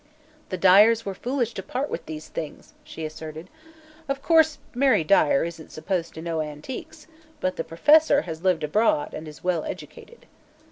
"The Dyers were foolish to part with these things," she asserted. "Of course, Mary Dyer isn't supposed to know antiques, but the professor has lived abroad and is well educated."